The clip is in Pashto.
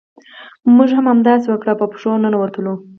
موږ هم همداسې وکړل او په پښو ننوتلو.